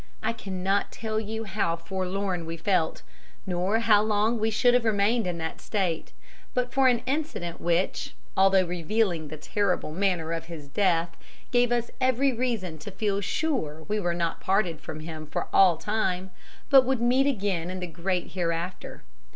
I cannot tell you how forlorn we felt, nor how long we should have remained in that state but for an incident which, although revealing the terrible manner of his death, gave us every reason to feel sure we were not parted from him for all time, but would meet again in the great hereafter.